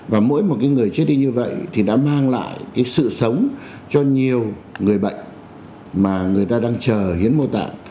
và mỗi một người chết đi như vậy thì đã mang lại cái sự sống cho nhiều người bệnh mà người ta đang chờ hiến mô tạng